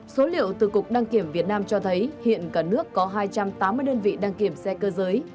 số liệu từ cục đăng kiểm việt nam cho thấy hiện cả nước có hai trăm tám mươi đơn vị đăng kiểm xe cơ giới